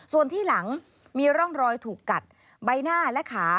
ส่วนที่หลังมีร่องรอยถูกกัดใบหน้าและขา